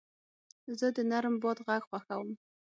زه د نرم باد غږ خوښوم.